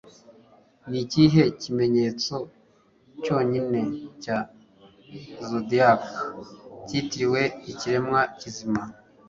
Ni ikihe kimenyetso cyonyine cya zodiac kitiriwe ikiremwa kizima